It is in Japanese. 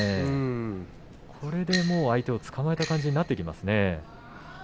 これで相手をつかまえた感じになっています。